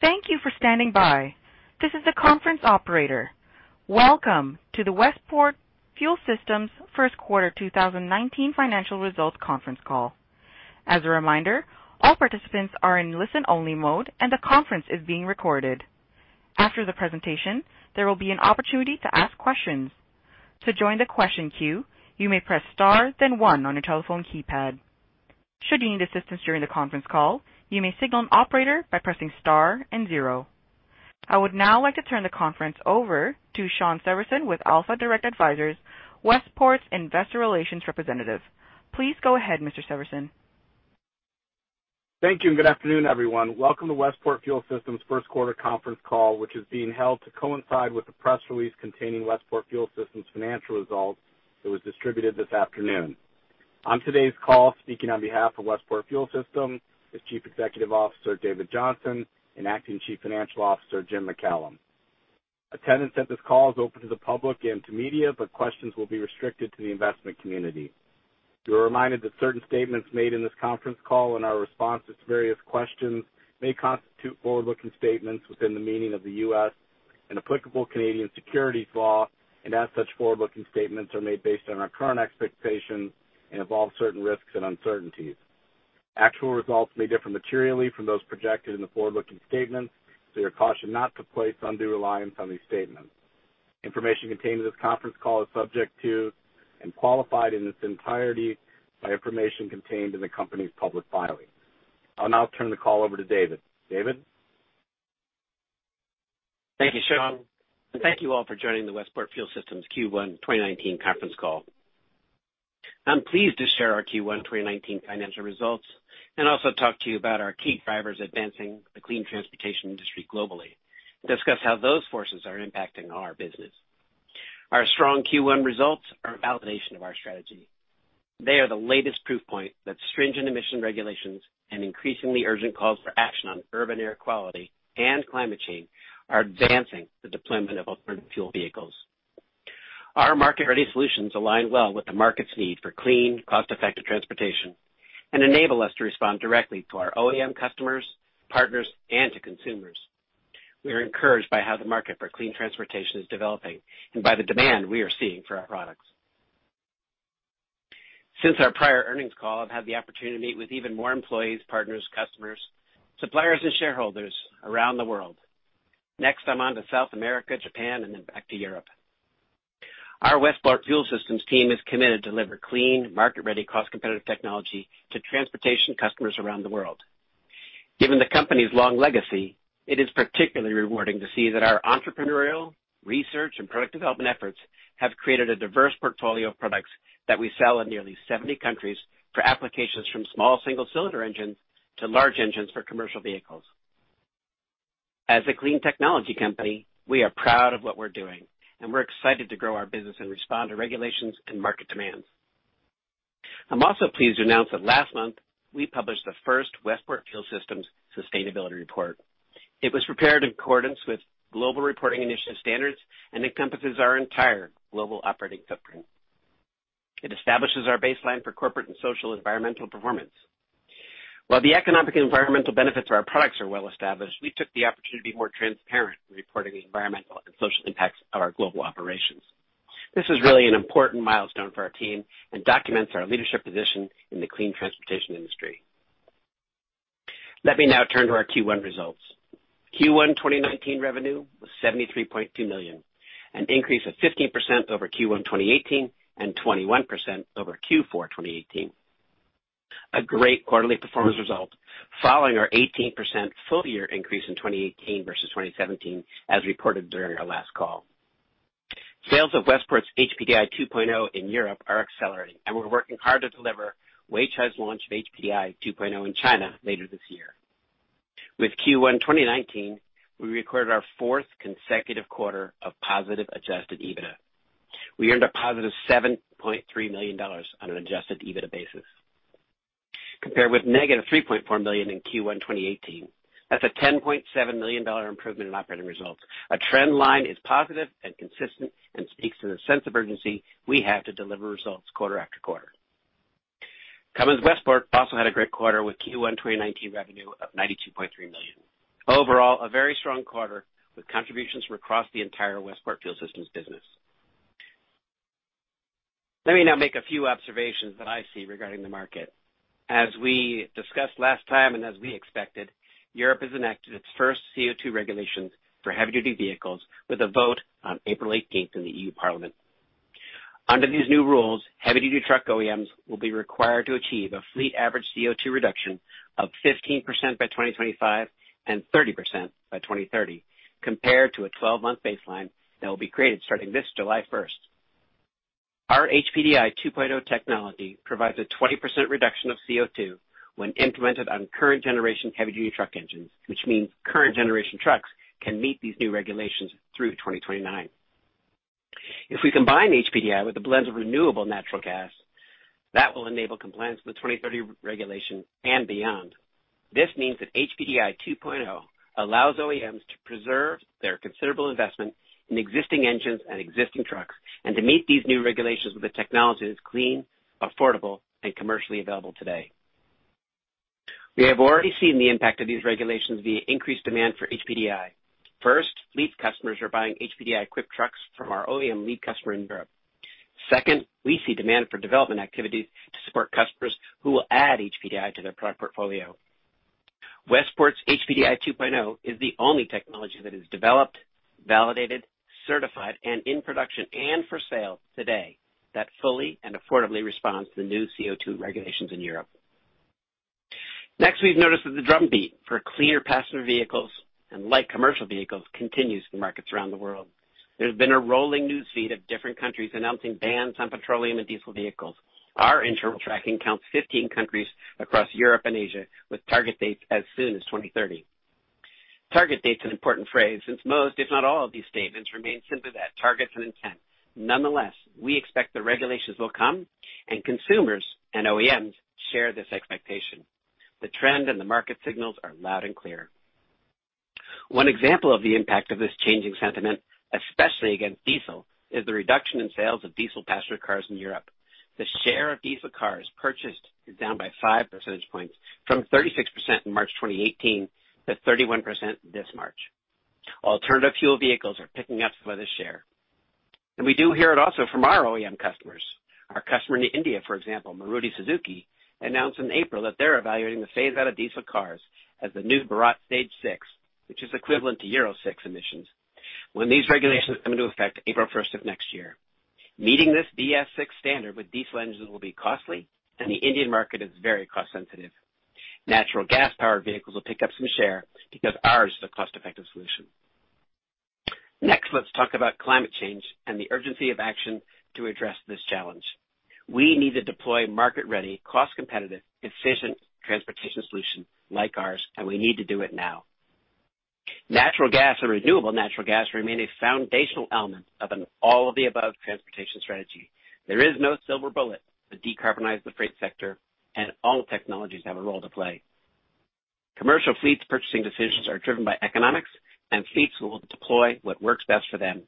Thank you for standing by. This is the conference operator. Welcome to the Westport Fuel Systems first quarter 2019 financial results conference call. As a reminder, all participants are in listen only mode, and the conference is being recorded. After the presentation, there will be an opportunity to ask questions. To join the question queue, you may press star then one on your telephone keypad. Should you need assistance during the conference call, you may signal an operator by pressing star and zero. I would now like to turn the conference over to Shawn Severson with Alpha Direct Advisors, Westport's investor relations representative. Please go ahead, Mr. Severson. Thank you. Good afternoon, everyone. Welcome to Westport Fuel Systems first quarter conference call, which is being held to coincide with the press release containing Westport Fuel Systems financial results that was distributed this afternoon. On today's call, speaking on behalf of Westport Fuel Systems, is Chief Executive Officer, David Johnson, and Acting Chief Financial Officer, Jim MacCallum. Attendance at this call is open to the public and to media. Questions will be restricted to the investment community. You are reminded that certain statements made in this conference call and our response to various questions may constitute forward-looking statements within the meaning of the U.S. and applicable Canadian securities law. As such forward-looking statements are made based on our current expectations and involve certain risks and uncertainties. Actual results may differ materially from those projected in the forward-looking statements. You're cautioned not to place undue reliance on these statements. Information contained in this conference call is subject to and qualified in its entirety by information contained in the company's public filings. I'll now turn the call over to David. David? Thank you, Shawn, and thank you all for joining the Westport Fuel Systems Q1 2019 conference call. I'm pleased to share our Q1 2019 financial results and also talk to you about our key drivers advancing the clean transportation industry globally, and discuss how those forces are impacting our business. Our strong Q1 results are a validation of our strategy. They are the latest proof point that stringent emission regulations and increasingly urgent calls for action on urban air quality and climate change are advancing the deployment of alternative fuel vehicles. Our market-ready solutions align well with the market's need for clean, cost-effective transportation and enable us to respond directly to our OEM customers, partners, and to consumers. We are encouraged by how the market for clean transportation is developing and by the demand we are seeing for our products. Since our prior earnings call, I've had the opportunity to meet with even more employees, partners, customers, suppliers, and shareholders around the world. Next, I'm on to South America, Japan, and then back to Europe. Our Westport Fuel Systems team is committed to deliver clean, market-ready, cost-competitive technology to transportation customers around the world. Given the company's long legacy, it is particularly rewarding to see that our entrepreneurial research and product development efforts have created a diverse portfolio of products that we sell in nearly 70 countries for applications from small single cylinder engines to large engines for commercial vehicles. As a clean technology company, we are proud of what we're doing, and we're excited to grow our business and respond to regulations and market demands. I'm also pleased to announce that last month, we published the first Westport Fuel Systems sustainability report. It was prepared in accordance with global reporting initiative standards and encompasses our entire global operating footprint. It establishes our baseline for corporate and social environmental performance. While the economic and environmental benefits of our products are well established, we took the opportunity to be more transparent in reporting the environmental and social impacts of our global operations. This is really an important milestone for our team and documents our leadership position in the clean transportation industry. Let me now turn to our Q1 results. Q1 2019 revenue was $73.2 million, an increase of 15% over Q1 2018 and 21% over Q4 2018. A great quarterly performance result following our 18% full year increase in 2018 versus 2017 as reported during our last call. Sales of Westport's HPDI 2.0 in Europe are accelerating, and we're working hard to deliver Weichai's launch of HPDI 2.0 in China later this year. With Q1 2019, we recorded our fourth consecutive quarter of positive Adjusted EBITDA. We earned a positive $7.3 million on an Adjusted EBITDA basis, compared with negative $3.4 million in Q1 2018. That's a $10.7 million improvement in operating results. Our trend line is positive and consistent and speaks to the sense of urgency we have to deliver results quarter after quarter. Cummins Westport also had a great quarter with Q1 2019 revenue of $92.3 million. Overall, a very strong quarter with contributions from across the entire Westport Fuel Systems business. Let me now make a few observations that I see regarding the market. As we discussed last time and as we expected, Europe has enacted its first CO2 regulations for heavy-duty vehicles with a vote on April 18th in the EU Parliament. Under these new rules, heavy-duty truck OEMs will be required to achieve a fleet average CO2 reduction of 15% by 2025 and 30% by 2030, compared to a 12-month baseline that will be created starting this July 1st. Our HPDI 2.0 technology provides a 20% reduction of CO2 when implemented on current generation heavy-duty truck engines, which means current generation trucks can meet these new regulations through 2029. If we combine HPDI with a blend of renewable natural gas, that will enable compliance with the 2030 regulation and beyond. This means that HPDI 2.0 allows OEMs to preserve their considerable investment in existing engines and existing trucks, and to meet these new regulations with a technology that's clean, affordable, and commercially available today. We have already seen the impact of these regulations via increased demand for HPDI. First, lease customers are buying HPDI-equipped trucks from our OEM lead customer in Europe. Second, we see demand for development activities to support customers who will add HPDI to their product portfolio. Westport's HPDI 2.0 is the only technology that is developed, validated, certified, and in production and for sale today that fully and affordably responds to the new CO2 regulations in Europe. Next, we've noticed that the drumbeat for cleaner passenger vehicles and light commercial vehicles continues for markets around the world. There's been a rolling news feed of different countries announcing bans on petroleum and diesel vehicles. Our internal tracking counts 15 countries across Europe and Asia, with target dates as soon as 2030. Target date's an important phrase since most, if not all of these statements, remain simply that, targets and intent. Nonetheless, we expect the regulations will come, and consumers and OEMs share this expectation. The trend and the market signals are loud and clear. One example of the impact of this changing sentiment, especially against diesel, is the reduction in sales of diesel passenger cars in Europe. The share of diesel cars purchased is down by five percentage points from 36% in March 2018 to 31% this March. Alternative fuel vehicles are picking up some of the share. We do hear it also from our OEM customers. Our customer in India, for example, Maruti Suzuki, announced in April that they're evaluating the phase-out of diesel cars as the new Bharat Stage 6, which is equivalent to Euro 6 emissions, when these regulations come into effect April 1st of next year. Meeting this BS6 standard with diesel engines will be costly, and the Indian market is very cost sensitive. Natural gas-powered vehicles will pick up some share because ours is a cost-effective solution. Next, let's talk about climate change and the urgency of action to address this challenge. We need to deploy market-ready, cost-competitive, efficient transportation solutions like ours, and we need to do it now. Natural gas and renewable natural gas remain a foundational element of an all-of-the-above transportation strategy. There is no silver bullet to decarbonize the freight sector, and all technologies have a role to play. Commercial fleets' purchasing decisions are driven by economics, and fleets will deploy what works best for them.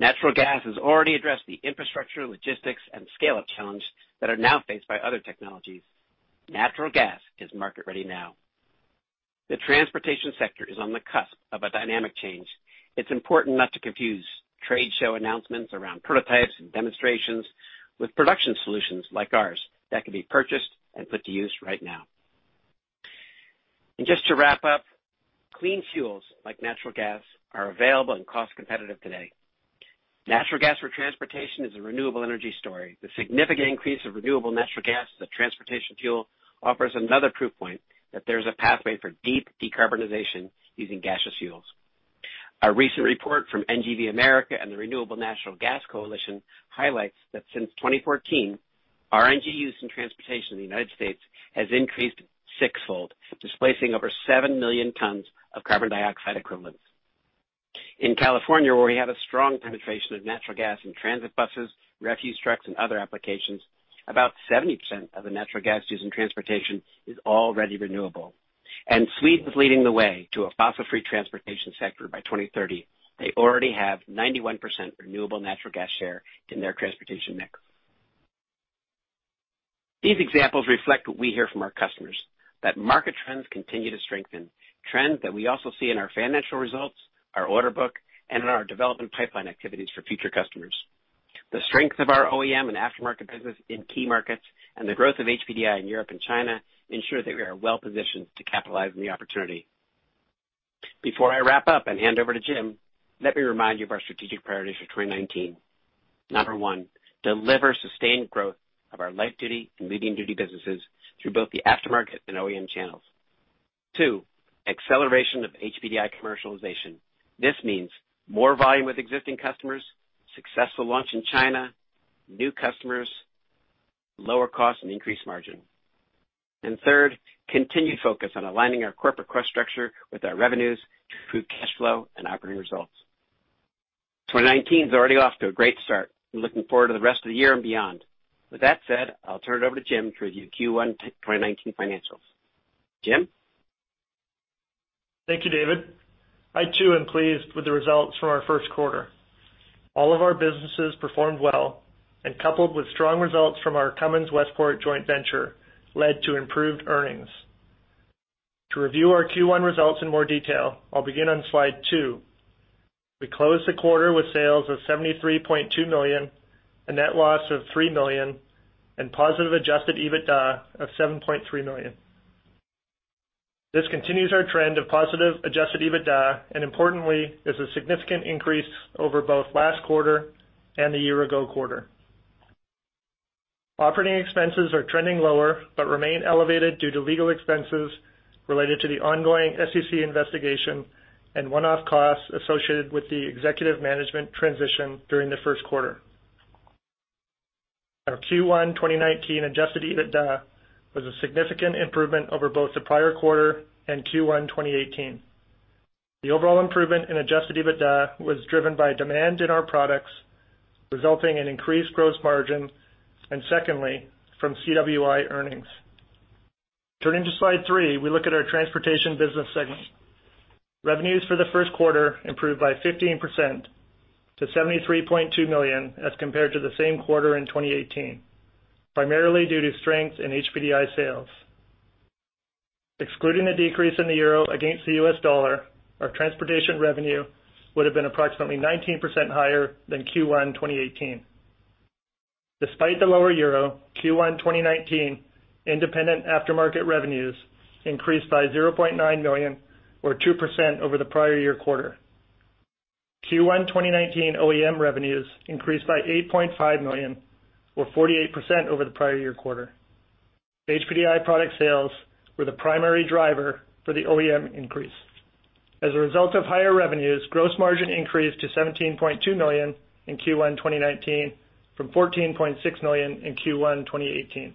Natural gas has already addressed the infrastructure, logistics, and scale-up challenge that are now faced by other technologies. Natural gas is market ready now. The transportation sector is on the cusp of a dynamic change. It's important not to confuse trade show announcements around prototypes and demonstrations with production solutions like ours that can be purchased and put to use right now. Just to wrap up, clean fuels like natural gas are available and cost competitive today. Natural gas for transportation is a renewable energy story. The significant increase of renewable natural gas as a transportation fuel offers another proof point that there's a pathway for deep decarbonization using gaseous fuels. A recent report from NGVAmerica and the Coalition for Renewable Natural Gas highlights that since 2014, RNG use in transportation in the U.S. has increased sixfold, displacing over 7 million tons of carbon dioxide equivalents. In California, where we have a strong penetration of natural gas in transit buses, refuse trucks, and other applications, about 70% of the natural gas used in transportation is already renewable. Sweden is leading the way to a fossil-free transportation sector by 2030. They already have 91% renewable natural gas share in their transportation mix. These examples reflect what we hear from our customers, that market trends continue to strengthen, trends that we also see in our financial results, our order book, and in our development pipeline activities for future customers. The strength of our OEM and aftermarket business in key markets and the growth of HPDI in Europe and China ensure that we are well-positioned to capitalize on the opportunity. Before I wrap up and hand over to Jim, let me remind you of our strategic priorities for 2019. Number one, deliver sustained growth of our light-duty and medium-duty businesses through both the aftermarket and OEM channels. Two, acceleration of HPDI commercialization. This means more volume with existing customers, successful launch in China, new customers, lower cost, and increased margin. Third, continued focus on aligning our corporate cost structure with our revenues to improve cash flow and operating results. 2019 is already off to a great start. I'm looking forward to the rest of the year and beyond. With that said, I'll turn it over to Jim to review Q1 2019 financials. Jim? Thank you, David. I, too, am pleased with the results from our first quarter. All of our businesses performed well, and coupled with strong results from our Cummins Westport joint venture, led to improved earnings. To review our Q1 results in more detail, I'll begin on slide two. We closed the quarter with sales of $73.2 million, a net loss of $3 million, and positive Adjusted EBITDA of $7.3 million. This continues our trend of positive Adjusted EBITDA, and importantly, is a significant increase over both last quarter and the year-ago quarter. Operating expenses are trending lower but remain elevated due to legal expenses related to the ongoing SEC investigation and one-off costs associated with the executive management transition during the first quarter. Our Q1 2019 Adjusted EBITDA was a significant improvement over both the prior quarter and Q1 2018. The overall improvement in Adjusted EBITDA was driven by demand in our products, resulting in increased gross margin. Secondly, from CWI earnings. Turning to slide three, we look at our transportation business segment. Revenues for the first quarter improved by 15% to $73.2 million as compared to the same quarter in 2018, primarily due to strength in HPDI sales. Excluding the decrease in the euro against the US dollar, our transportation revenue would've been approximately 19% higher than Q1 2018. Despite the lower euro, Q1 2019 independent aftermarket revenues increased by $0.9 million or 2% over the prior year quarter. Q1 2019 OEM revenues increased by $8.5 million or 48% over the prior year quarter. HPDI product sales were the primary driver for the OEM increase. As a result of higher revenues, gross margin increased to $17.2 million in Q1 2019 from $14.6 million in Q1 2018.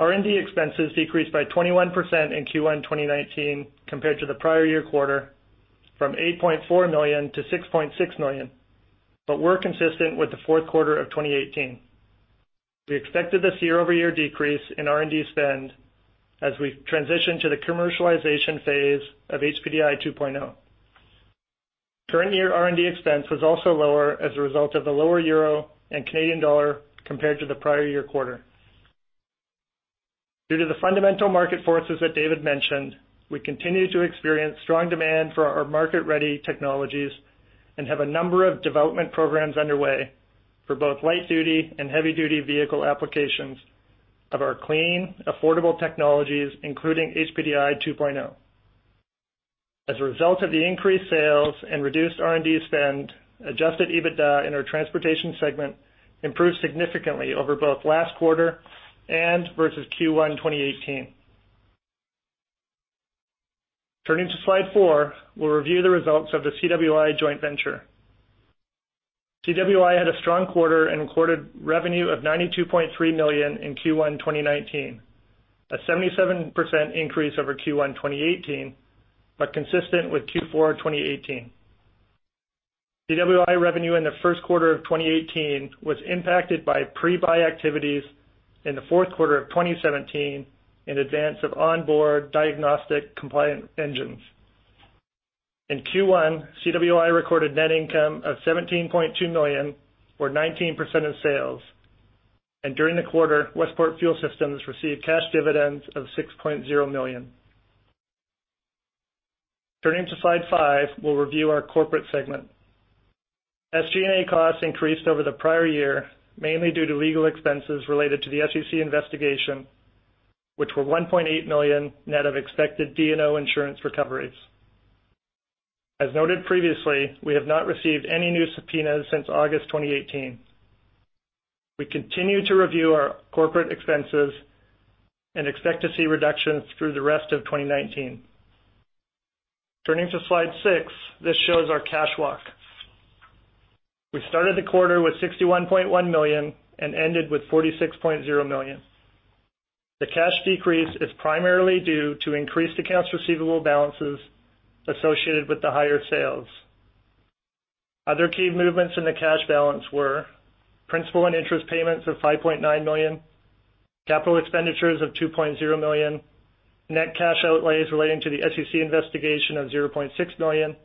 R&D expenses decreased by 21% in Q1 2019 compared to the prior year quarter, from $8.4 million to $6.6 million, but were consistent with the fourth quarter of 2018. We expected this year-over-year decrease in R&D spend as we transition to the commercialization phase of HPDI 2.0. Current year R&D expense was also lower as a result of the lower EUR and CAD compared to the prior year quarter. Due to the fundamental market forces that David mentioned, we continue to experience strong demand for our market-ready technologies and have a number of development programs underway for both light-duty and heavy-duty vehicle applications of our clean, affordable technologies, including HPDI 2.0. As a result of the increased sales and reduced R&D spend, Adjusted EBITDA in our transportation segment improved significantly over both last quarter and versus Q1 2018. Turning to slide four, we'll review the results of the CWI joint venture. CWI had a strong quarter and recorded revenue of $92.3 million in Q1 2019, a 77% increase over Q1 2018, but consistent with Q4 2018. CWI revenue in the first quarter of 2018 was impacted by pre-buy activities in the fourth quarter of 2017 in advance of on-board diagnostic compliant engines. In Q1, CWI recorded net income of $17.2 million or 19% in sales. During the quarter, Westport Fuel Systems received cash dividends of $6.0 million. Turning to slide five, we'll review our Corporate segment. SG&A costs increased over the prior year, mainly due to legal expenses related to the SEC investigation, which were $1.8 million net of expected D&O insurance recoveries. As noted previously, we have not received any new subpoenas since August 2018. We continue to review our Corporate expenses and expect to see reductions through the rest of 2019. Turning to slide six, this shows our cash walk. We started the quarter with $61.1 million and ended with $46.0 million. The cash decrease is primarily due to increased accounts receivable balances associated with the higher sales. Other key movements in the cash balance were principal and interest payments of $5.9 million, capital expenditures of $2.0 million, net cash outlays relating to the SEC investigation of $0.6 million,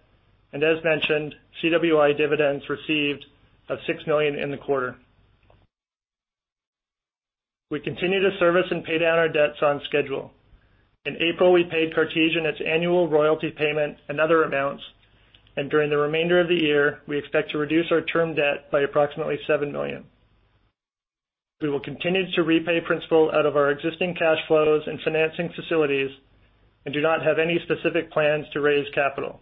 and as mentioned, CWI dividends received of $6 million in the quarter. We continue to service and pay down our debts on schedule. In April, we paid Cartesian its annual royalty payment and other amounts, and during the remainder of the year, we expect to reduce our term debt by approximately $7 million. We will continue to repay principal out of our existing cash flows and financing facilities, do not have any specific plans to raise capital.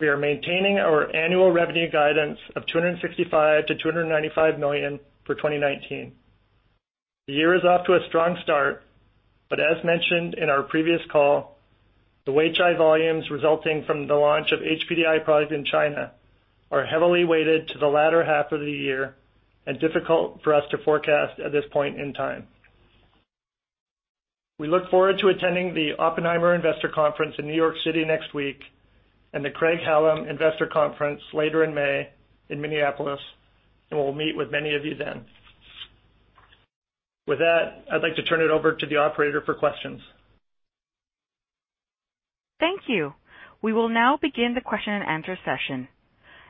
We are maintaining our annual revenue guidance of $265 million-$295 million for 2019. The year is off to a strong start, as mentioned in our previous call, the HPDI volumes resulting from the launch of HPDI product in China are heavily weighted to the latter half of the year and difficult for us to forecast at this point in time. We look forward to attending the Oppenheimer Investor Conference in New York City next week and the Craig-Hallum Investor Conference later in May in Minneapolis, we'll meet with many of you then. With that, I'd like to turn it over to the operator for questions. Thank you. We will now begin the question and answer session.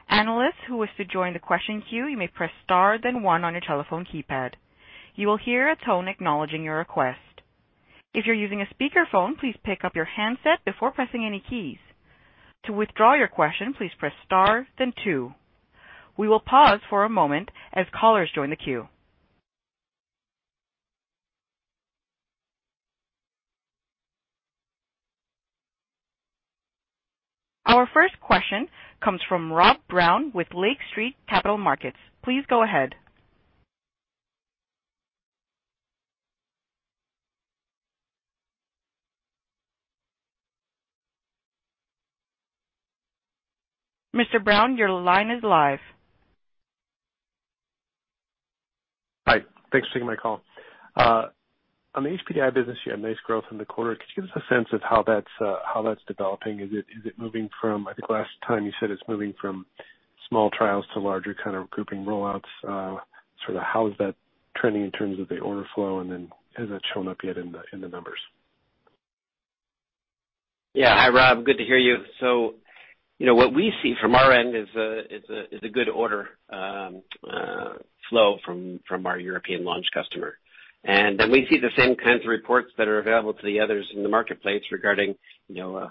Analysts who wish to join the question queue, you may press star then one on your telephone keypad. You will hear a tone acknowledging your request. If you're using a speakerphone, please pick up your handset before pressing any keys. To withdraw your question, please press star then two. We will pause for a moment as callers join the queue. Our first question comes from Rob Brown with Lake Street Capital Markets. Please go ahead. Mr. Brown, your line is live. Hi. Thanks for taking my call. On the HPDI business, you had nice growth in the quarter. Could you give us a sense of how that's developing? Is it moving from, I think last time you said it's moving from, small trials to larger kind of grouping rollouts. How is that trending in terms of the order flow, has that shown up yet in the numbers? Yeah. Hi, Rob. Good to hear you. What we see from our end is a good order flow from our European launch customer. We see the same kinds of reports that are available to the others in the marketplace regarding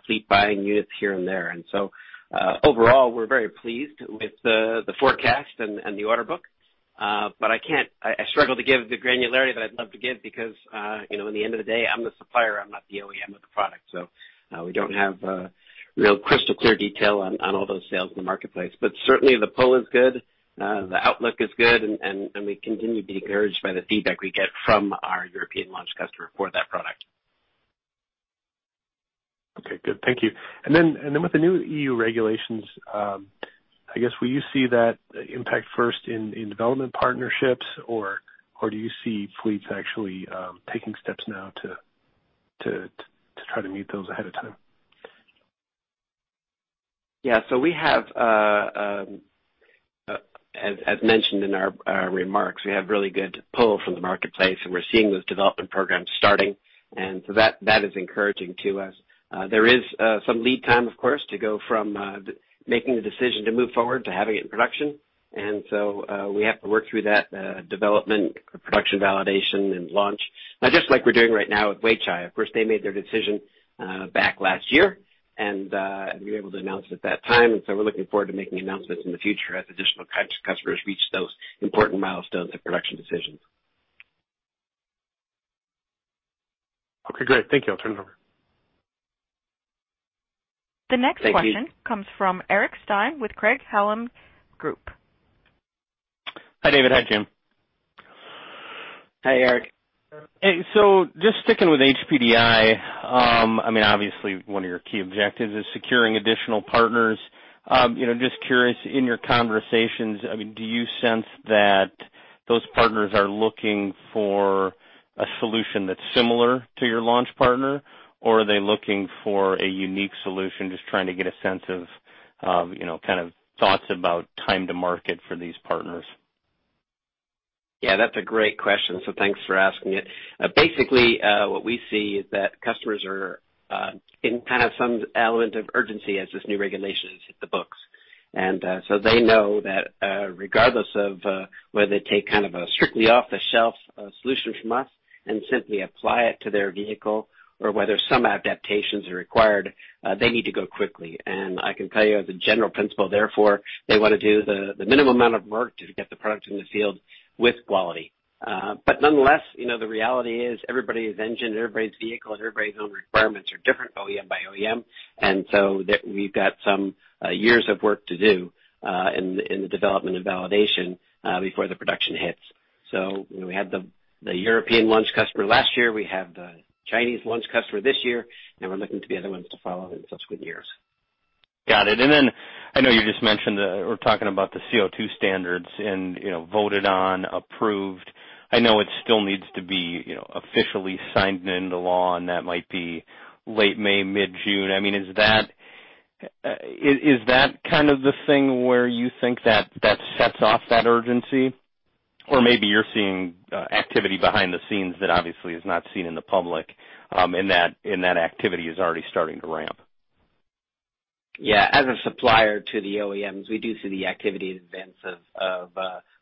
fleet buying units here and there. Overall, we're very pleased with the forecast and the order book. I struggle to give the granularity that I'd love to give because, at the end of the day, I'm the supplier, I'm not the OEM of the product. We don't have real crystal clear detail on all those sales in the marketplace. Certainly the pull is good, the outlook is good, and we continue to be encouraged by the feedback we get from our European launch customer for that product. Okay, good. Thank you. With the new EU regulations, I guess, will you see that impact first in development partnerships or do you see fleets actually taking steps now to try to meet those ahead of time? Yeah, as mentioned in our remarks, we have really good pull from the marketplace, and we're seeing those development programs starting. That is encouraging to us. There is some lead time, of course, to go from making the decision to move forward to having it in production. We have to work through that development, production validation, and launch. Just like we're doing right now with Weichai. Of course, they made their decision back last year, and we were able to announce it at that time. We're looking forward to making announcements in the future as additional customers reach those important milestones and production decisions. Okay, great. Thank you. I'll turn it over. Thank you. The next question comes from Eric Stine with Craig-Hallum Group. Hi, David. Hi, Jim. Hi, Eric. Hey, just sticking with HPDI, obviously one of your key objectives is securing additional partners. Just curious, in your conversations, do you sense that those partners are looking for a solution that's similar to your launch partner, or are they looking for a unique solution? Just trying to get a sense of kind of thoughts about time to market for these partners. That's a great question, thanks for asking it. Basically, what we see is that customers are in kind of some element of urgency as this new regulation has hit the books. They know that, regardless of whether they take kind of a strictly off-the-shelf solution from us and simply apply it to their vehicle or whether some adaptations are required, they need to go quickly. I can tell you as a general principle, therefore, they want to do the minimum amount of work to get the product in the field with quality. Nonetheless, the reality is everybody's engine, everybody's vehicle, and everybody's own requirements are different OEM by OEM. We've got some years of work to do in the development and validation before the production hits. We had the European launch customer last year. We have the Chinese launch customer this year, and we're looking to the other ones to follow in subsequent years. Got it. I know you just mentioned, or talking about the CO2 standards and voted on, approved. I know it still needs to be officially signed into law, and that might be late May, mid-June. Is that kind of the thing where you think that sets off that urgency? Maybe you're seeing activity behind the scenes that obviously is not seen in the public, and that activity is already starting to ramp. As a supplier to the OEMs, we do see the activity in advance of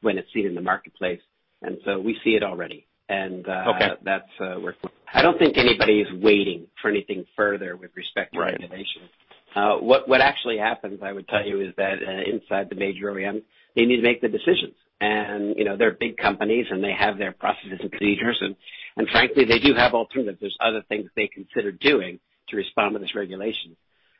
when it's seen in the marketplace. We see it already. Okay. I don't think anybody is waiting for anything further with respect to the regulation. Right. What actually happens, I would tell you, is that inside the major OEMs, they need to make the decisions. They're big companies, and they have their processes and procedures, and frankly, they do have alternatives. There's other things they consider doing to respond to this regulation.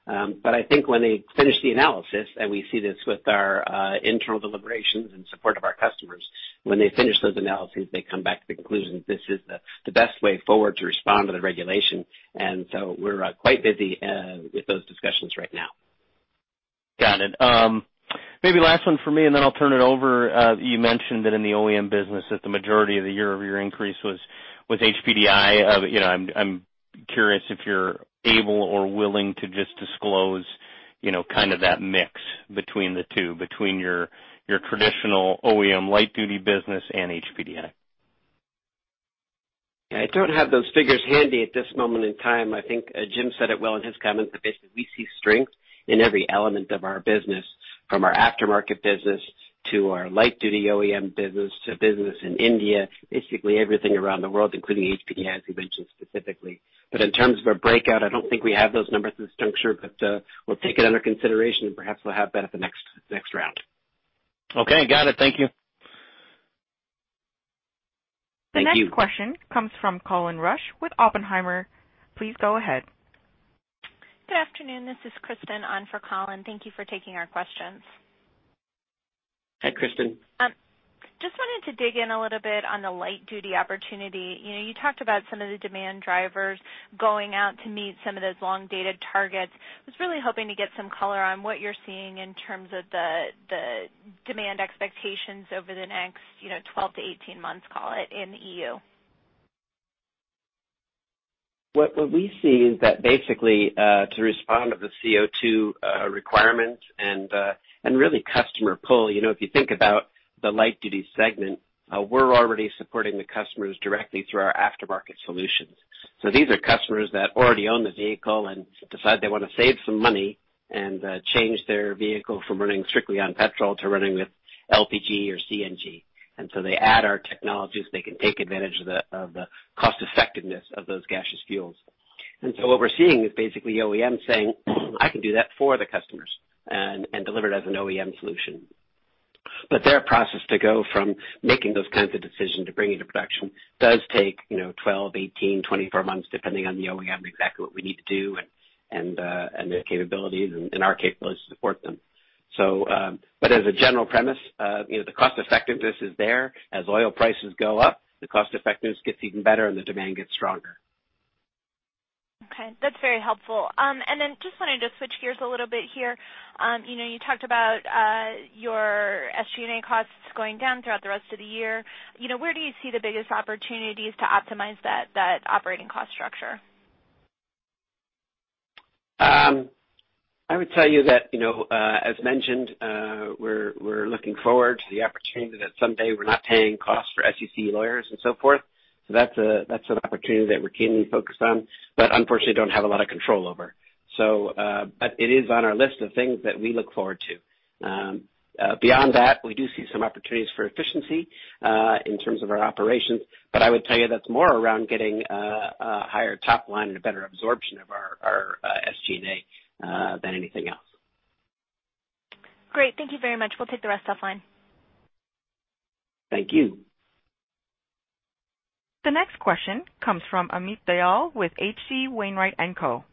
I think when they finish the analysis, and we see this with our internal deliberations and support of our customers, when they finish those analyses, they come back to the conclusion that this is the best way forward to respond to the regulation. We're quite busy with those discussions right now. Got it. Maybe last one for me, and then I'll turn it over. You mentioned that in the OEM business that the majority of the year-over-year increase was with HPDI. I'm curious if you're able or willing to just disclose kind of that mix between the two, between your traditional OEM light-duty business and HPDI. I don't have those figures handy at this moment in time. I think Jim said it well in his comments that basically we see strength in every element of our business, from our aftermarket business to our light-duty OEM business to business in India, basically everything around the world, including HPDI, as you mentioned specifically. In terms of a breakout, I don't think we have those numbers at this juncture, but we'll take it under consideration, and perhaps we'll have that at the next round. Okay, got it. Thank you. Thank you. The next question comes from Colin Rusch with Oppenheimer. Please go ahead. Good afternoon. This is Kristen on for Colin. Thank you for taking our questions. Hi, Kristen. Just wanted to dig in a little bit on the light-duty opportunity. You talked about some of the demand drivers going out to meet some of those long-dated targets. I was really hoping to get some color on what you're seeing in terms of the demand expectations over the next 12-18 months, call it, in the EU. What we see is that basically, to respond to the CO2 requirements and really customer pull, if you think about the light duty segment, we're already supporting the customers directly through our aftermarket solutions. These are customers that already own the vehicle and decide they want to save some money and change their vehicle from running strictly on petrol to running with LPG or CNG. They add our technologies, they can take advantage of the cost effectiveness of those gaseous fuels. What we're seeing is basically OEM saying, "I can do that for the customers and deliver it as an OEM solution." Their process to go from making those kinds of decisions to bringing to production does take 12, 18, 24 months, depending on the OEM, exactly what we need to do and their capabilities and our capabilities to support them. As a general premise, the cost effectiveness is there. As oil prices go up, the cost effectiveness gets even better and the demand gets stronger. Okay. That's very helpful. Just wanted to switch gears a little bit here. You talked about your SG&A costs going down throughout the rest of the year. Where do you see the biggest opportunities to optimize that operating cost structure? I would tell you that, as mentioned, we're looking forward to the opportunity that someday we're not paying costs for SEC lawyers and so forth. That's an opportunity that we're keenly focused on, but unfortunately don't have a lot of control over. It is on our list of things that we look forward to. Beyond that, we do see some opportunities for efficiency, in terms of our operations. I would tell you that's more around getting a higher top line and a better absorption of our SG&A, than anything else. Great. Thank you very much. We'll take the rest offline. Thank you. The next question comes from Amit Dayal with H.C. Wainwright & Co.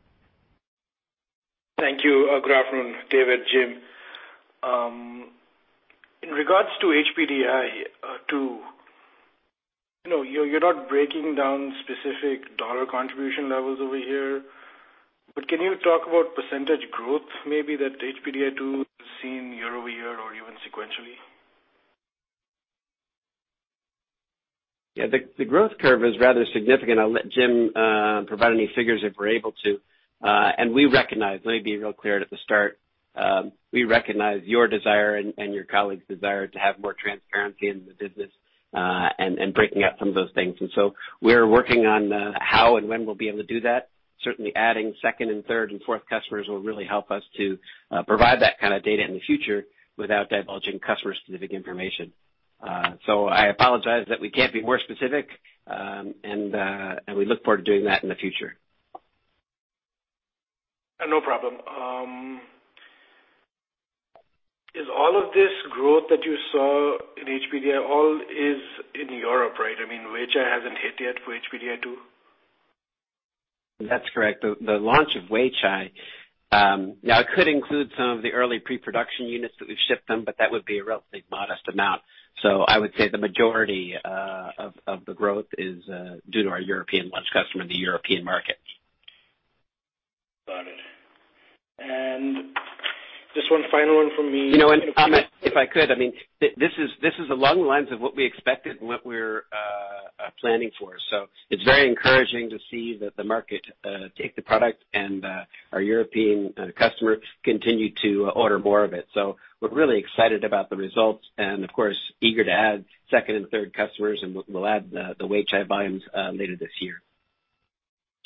Thank you. Good afternoon, David, Jim. In regards to HPDI 2.0, you are not breaking down specific dollar contribution levels over here, but can you talk about percentage growth maybe that HPDI 2.0 Has seen year-over-year or even sequentially? Yeah, the growth curve is rather significant. I will let Jim provide any figures if we are able to. We recognize, let me be real clear at the start, we recognize your desire and your colleagues' desire to have more transparency in the business, and breaking out some of those things. We are working on how and when we will be able to do that. Certainly adding second and third and fourth customers will really help us to provide that kind of data in the future without divulging customer-specific information. I apologize that we cannot be more specific, and we look forward to doing that in the future. No problem. Is all of this growth that you saw in HPDI all is in Europe, right? I mean, Weichai has not hit yet for HPDI 2.0. That's correct. The launch of Weichai, it could include some of the early pre-production units that we've shipped them, but that would be a relatively modest amount. I would say the majority of the growth is due to our European launch customer in the European market. Got it. Just one final one from me. Amit, if I could, this is along the lines of what we expected and what we're planning for. It's very encouraging to see that the market take the product and our European customers continue to order more of it. We're really excited about the results and of course, eager to add second and third customers, and we'll add the Weichai volumes later this year.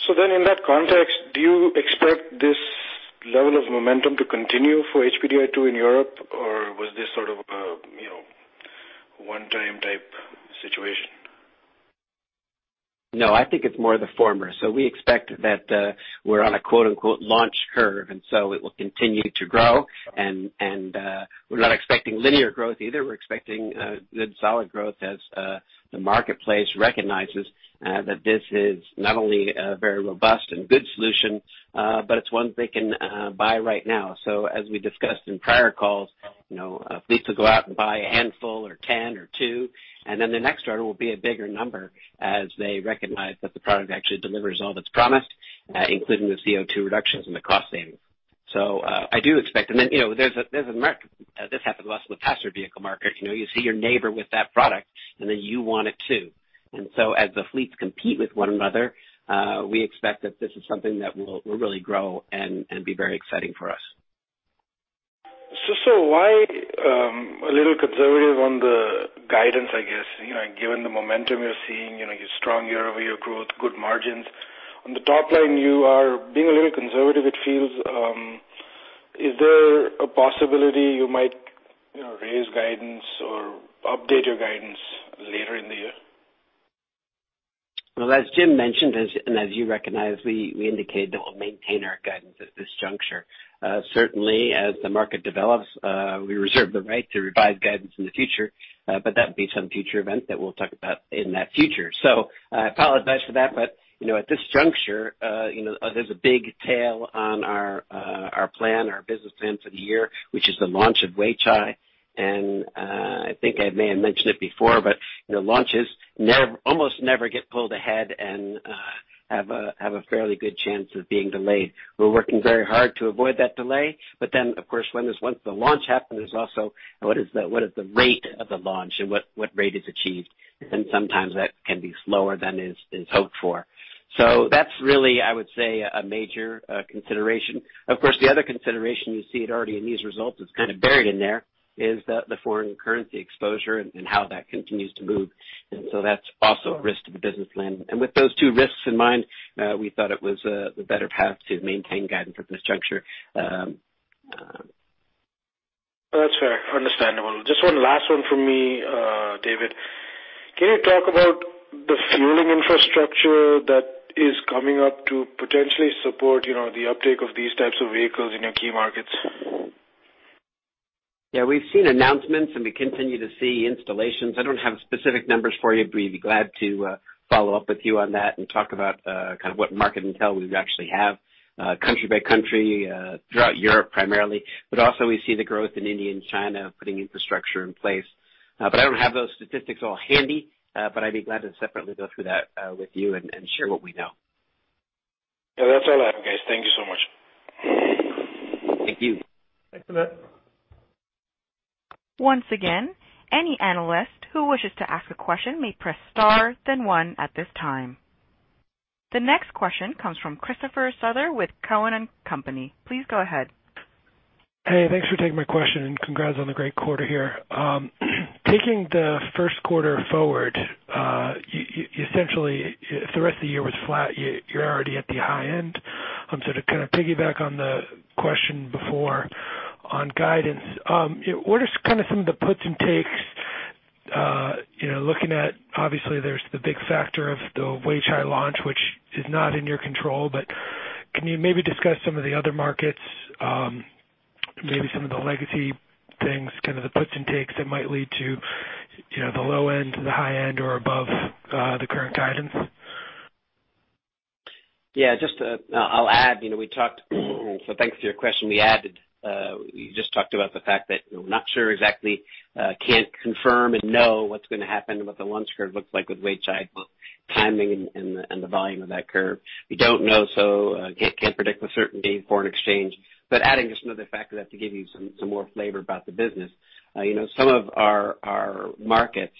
In that context, do you expect this level of momentum to continue for HPDI 2.0 In Europe? Or was this sort of a one-time type situation? No, I think it's more the former. We expect that we're on a quote unquote "launch curve," it will continue to grow, and we're not expecting linear growth either. We're expecting good, solid growth as the marketplace recognizes that this is not only a very robust and good solution, but it's one they can buy right now. As we discussed in prior calls, fleets will go out and buy a handful or 10 or two, the next order will be a bigger number as they recognize that the product actually delivers all that's promised, including the CO2 reductions and the cost savings. I do expect this happened to us in the passenger vehicle market. You see your neighbor with that product, you want it too. As the fleets compete with one another, we expect that this is something that will really grow and be very exciting for us. Why a little conservative on the guidance, I guess? Given the momentum you're seeing, your strong year-over-year growth, good margins. On the top line, you are being a little conservative, it feels. Is there a possibility you might raise guidance or update your guidance later in the year? As Jim mentioned, and as you recognize, we indicated that we'll maintain our guidance at this juncture. Certainly, as the market develops, we reserve the right to revise guidance in the future, but that would be some future event that we'll talk about in that future. I apologize for that, but at this juncture, there's a big tail on our plan, our business plan for the year, which is the launch of Weichai. I think I may have mentioned it before, but launches almost never get pulled ahead and have a fairly good chance of being delayed. We're working very hard to avoid that delay, of course, when the launch happens, there's also what is the rate of the launch and what rate is achieved, and sometimes that can be slower than is hoped for. That's really, I would say, a major consideration. Of course, the other consideration you see it already in these results, it's kind of buried in there, is the foreign currency exposure and how that continues to move. That's also a risk to the business plan. With those two risks in mind, we thought it was the better path to maintain guidance at this juncture. That's fair. Understandable. Just one last one from me, David. Can you talk about the fueling infrastructure that is coming up to potentially support the uptake of these types of vehicles in your key markets? Yeah, we've seen announcements, and we continue to see installations. I don't have specific numbers for you, but we'd be glad to follow up with you on that and talk about kind of what market intel we actually have country by country, throughout Europe primarily, but also we see the growth in India and China putting infrastructure in place. I don't have those statistics all handy. I'd be glad to separately go through that with you and share what we know. That's all I have, guys. Thank you so much. Thank you. Thanks for that. Once again, any analyst who wishes to ask a question may press star, then one at this time. The next question comes from Christopher Souther with Cowen and Company. Please go ahead. Hey, thanks for taking my question, and congrats on the great quarter here. Taking the first quarter forward, you essentially, if the rest of the year was flat, you're already at the high end. To kind of piggyback on the question before on guidance, what are some of the puts and takes, looking at, obviously, there's the big factor of the Weichai launch, which is not in your control, but can you maybe discuss some of the other markets, maybe some of the legacy things, kind of the puts and takes that might lead to the low end to the high end or above the current guidance? Yeah. I'll add, thanks for your question. We just talked about the fact that we're not sure exactly, can't confirm and know what's going to happen and what the launch curve looks like with Weichai, both timing and the volume of that curve. We don't know, can't predict with certainty foreign exchange. Adding just another factor there to give you some more flavor about the business. Some of our markets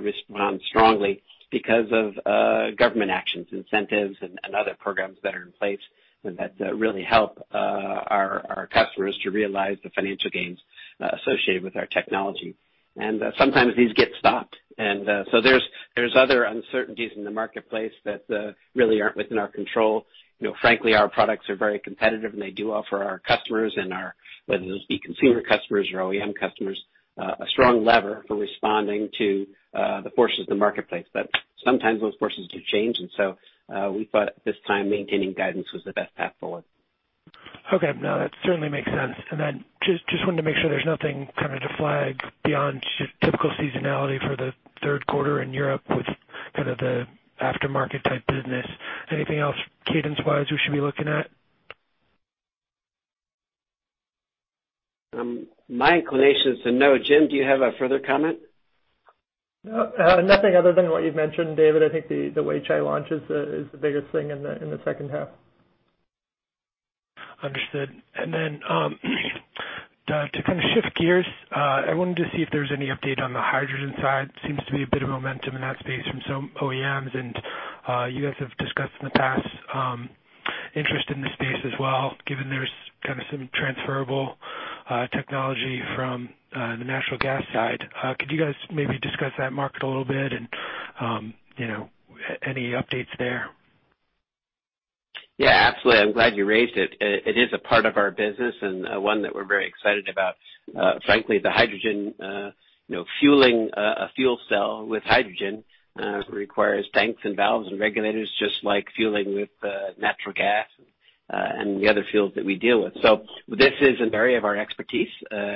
respond strongly because of government actions, incentives, and other programs that are in place that really help our customers to realize the financial gains associated with our technology. Sometimes these get stopped. There's other uncertainties in the marketplace that really aren't within our control. Frankly, our products are very competitive, they do offer our customers, whether those be consumer customers or OEM customers, a strong lever for responding to the forces of the marketplace. Sometimes those forces do change, we thought at this time maintaining guidance was the best path forward. Okay. That certainly makes sense. Just wanted to make sure there's nothing to flag beyond just typical seasonality for the third quarter in Europe with kind of the aftermarket type business. Anything else cadence-wise we should be looking at? My inclination is to no. Jim, do you have a further comment? No, nothing other than what you've mentioned, David. I think the Weichai launch is the biggest thing in the second half. Understood. Then to kind of shift gears, I wanted to see if there's any update on the hydrogen side. Seems to be a bit of momentum in that space from some OEMs, and you guys have discussed in the past interest in the space as well, given there's kind of some transferrable technology from the natural gas side. Could you guys maybe discuss that market a little bit? Any updates there? Yeah, absolutely. I'm glad you raised it. It is a part of our business and one that we're very excited about. Frankly, the hydrogen, fueling a fuel cell with hydrogen requires tanks and valves and regulators, just like fueling with natural gas and the other fuels that we deal with. This is an area of our expertise.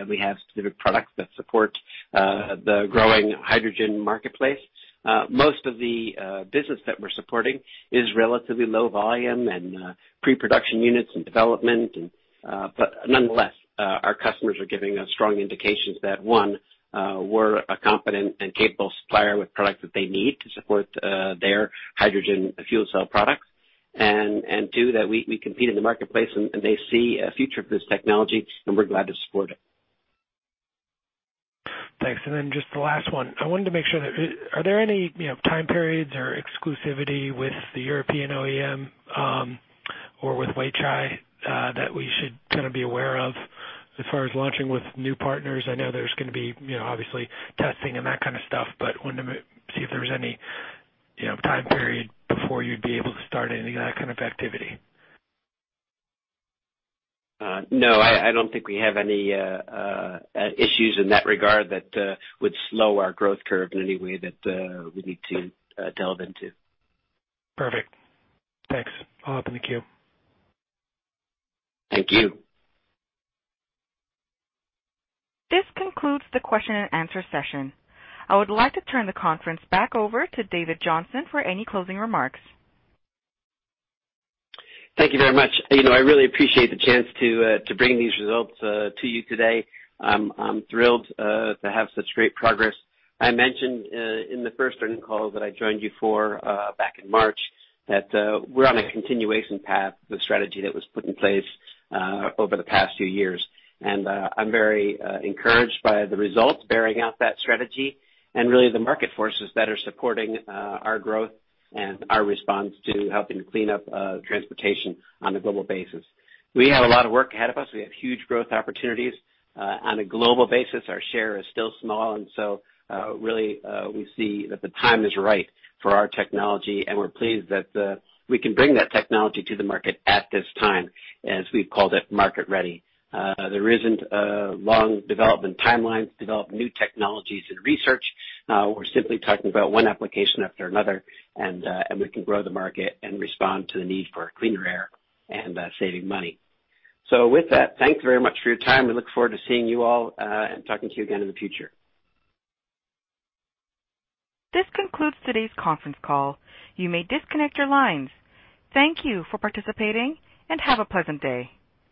We have specific products that support the growing hydrogen marketplace. Most of the business that we're supporting is relatively low volume and pre-production units and development. Nonetheless, our customers are giving us strong indications that, one, we're a competent and capable supplier with products that they need to support their hydrogen fuel cell products, and two, that we compete in the marketplace, and they see a future for this technology, and we're glad to support it. Thanks. Then just the last one. I wanted to make sure, are there any time periods or exclusivity with the European OEM or with Weichai that we should kind of be aware of as far as launching with new partners? I know there's going to be obviously testing and that kind of stuff, wanted to see if there was any time period before you'd be able to start any of that kind of activity. No. I don't think we have any issues in that regard that would slow our growth curve in any way that we need to delve into. Perfect. Thanks. I'll open the queue. Thank you. This concludes the question and answer session. I would like to turn the conference back over to David Johnson for any closing remarks. Thank you very much. I really appreciate the chance to bring these results to you today. I'm thrilled to have such great progress. I mentioned in the first earnings call that I joined you for back in March that we're on a continuation path with strategy that was put in place over the past few years. I'm very encouraged by the results bearing out that strategy and really the market forces that are supporting our growth and our response to helping clean up transportation on a global basis. We have a lot of work ahead of us. We have huge growth opportunities. On a global basis, our share is still small, really, we see that the time is right for our technology, and we're pleased that we can bring that technology to the market at this time, as we've called it, market ready. There isn't long development timelines to develop new technologies and research. We're simply talking about one application after another, and we can grow the market and respond to the need for cleaner air and saving money. With that, thank you very much for your time. We look forward to seeing you all and talking to you again in the future. This concludes today's conference call. You may disconnect your lines. Thank you for participating, and have a pleasant day.